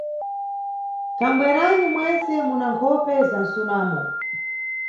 Thangweranyi mwentse muna nkhope za msunamo?